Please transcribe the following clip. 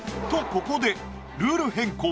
ここでルール変更